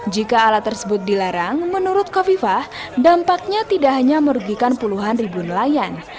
jika alat tersebut dilarang menurut kofifah dampaknya tidak hanya merugikan puluhan ribu nelayan